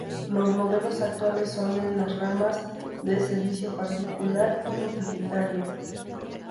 Los modelos actuales son en las ramas de servicio particular y utilitario.